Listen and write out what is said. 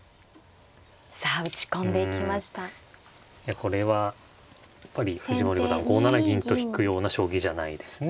いやこれはやっぱり藤森五段５七銀と引くような将棋じゃないですね。